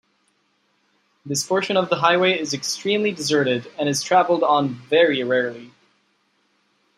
This portion of the highway is extremely deserted and is traveled on very rarely.